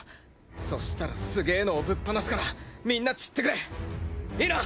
そしたらすげえのをぶっ放すからみんな散ってくれいいな！